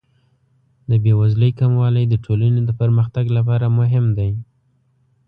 د بې وزلۍ کموالی د ټولنې د پرمختګ لپاره مهم دی.